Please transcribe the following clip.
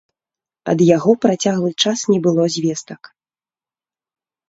Ад яго працяглы час не было звестак.